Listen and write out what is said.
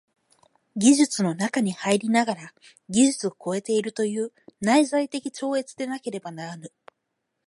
技術の中に入りながら技術を超えているという内在的超越でなければならぬ。